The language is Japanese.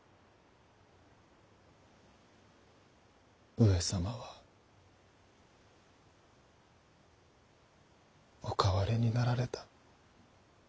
上様はお変わりになられた。